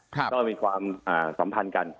ก็มีความสัมพันธ์กัน